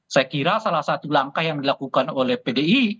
saya kira salah satu langkah yang dilakukan oleh pdi